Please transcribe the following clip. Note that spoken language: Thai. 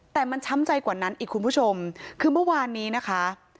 แต่มันช้ำใจกว่านั้นอีกคุณผู้ชมคือเมื่อวานนี้นะคะ